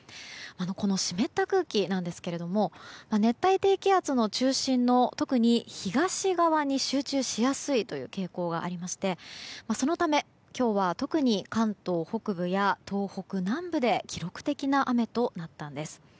この湿った空気なんですけれども熱帯低気圧の中心の特に東側に集中しやすい傾向がありましてそのため今日は特に関東北部や東北南部で記録的な雨となったんです。